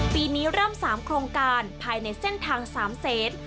ปีนี้เริ่ม๓โครงการภายในเส้นทาง๓เซน